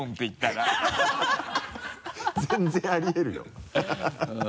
全然ありえるよ。